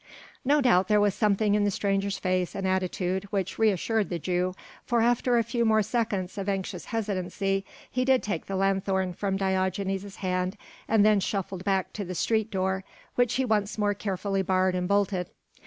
No doubt there was something in the stranger's face and attitude which re assured the Jew, for after a few more seconds of anxious hesitancy, he did take the lanthorn from Diogenes' hand and then shuffled back to the street door which he once more carefully barred and bolted.